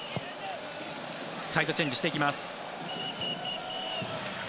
サイドチェンジしていきます。